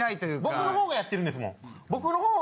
僕の方がやってるんですけど。